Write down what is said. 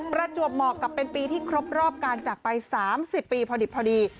ประจวบเหมาะกับเป็นปีที่ครบรอบการจากไป๓๐ปีพอดิบพอดี